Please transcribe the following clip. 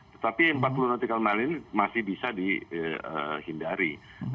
tetapi empat puluh nautical mile ini masih bisa dihindari